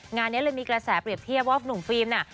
งานนี้เลยมีกระแสเปรียบเทียบว่าหนุ่มฟิล์มน่ะ